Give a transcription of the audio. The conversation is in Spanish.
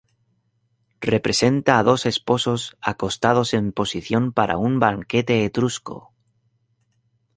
Representa a dos esposos acostados en posición para un banquete etrusco.